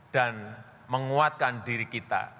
dan menguatkan diri kita